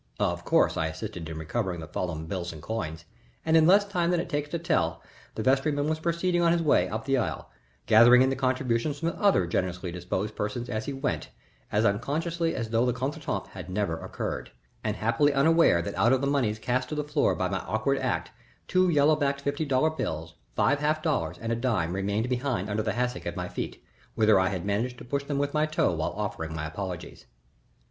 Of course I assisted in recovering the fallen bills and coins, and in less time than it takes to tell it the vestryman was proceeding on his way up the aisle, gathering in the contributions from other generously disposed persons as he went, as unconsciously as though the contretemps had never occurred, and happily unaware that out of the moneys cast to the floor by my awkward act two yellow backed fifty dollar bills, five half dollars, and a dime remained behind under the hassock at my feet, whither I had managed to push them with my toe while offering my apologies.